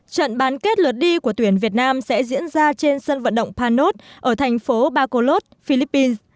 trận bán kết lượt đi của tuyển việt nam sẽ diễn ra trên sân vận động panos ở thành phố bakolod philippines